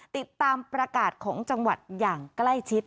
ติดตามประกาศของจังหวัดอย่างใกล้ชิด